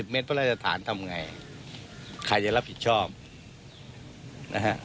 เมตรพระราชฐานทำไงใครจะรับผิดชอบนะฮะ